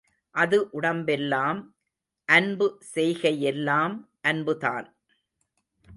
அது உடம்பெல்லாம், அன்பு செய்கையெல்லாம் அன்புதான்!